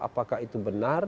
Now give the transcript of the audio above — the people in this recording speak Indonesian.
apakah itu benar